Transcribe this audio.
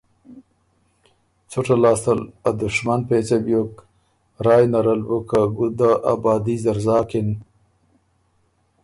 څُټه لاستل ا دشمن پېڅه بیوک، رای نر ال بُو که ګُده ابادي زر زاکِن